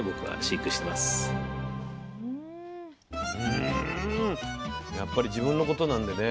うんやっぱり自分のことなんでね